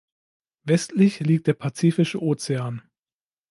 Westlich liegt der Pazifische Ozean.